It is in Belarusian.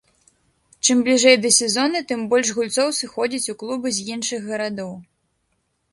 Чым бліжэй да сезона, тым больш гульцоў сыходзіць у клубы з іншых гарадоў.